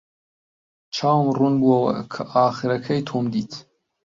چاوم ڕوون بووەوە کە ئاخرەکەی تۆم دیت.